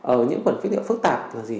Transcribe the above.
ở những khuẩn tiết niệu phức tạp là gì